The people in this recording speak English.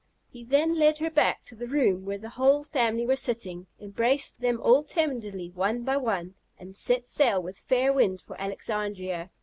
He then led her back to the room where the whole family were sitting, embraced them all tenderly one by one, and set sail with a fair wind for Alexandria.